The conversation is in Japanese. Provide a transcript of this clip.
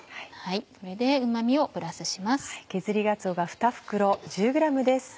これでうま味をプラスします。